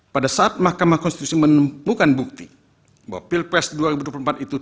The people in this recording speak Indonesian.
pada saat mahkamah konstitusi menemukan bukti bahwa pilpres dua ribu dua puluh empat itu